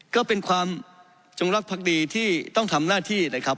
ก็เป็นความจงรักภักดีที่ต้องทำหน้าที่นะครับ